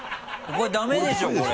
これダメでしょこれ。